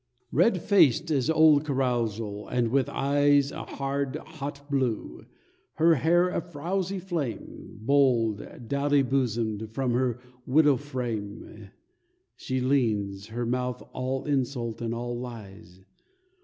Red faced as old carousal, and with eyes A hard, hot blue; her hair a frowsy flame, Bold, dowdy bosomed, from her widow frame She leans, her mouth all insult and all lies.